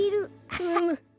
うむ！